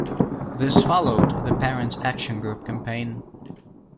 This followed the Parents Action Group campaign.